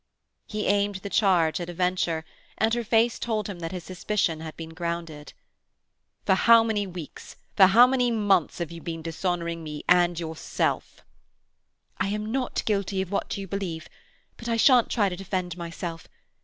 He aimed the charge at a venture, and her face told him that his suspicion had been grounded. "For how many weeks, for how many months, have you been dishonouring me and yourself?" "I am not guilty of what you believe, but I shan't try to defend myself.